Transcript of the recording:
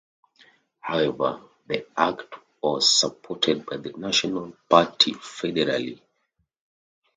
However, the Act was supported by the National party federally.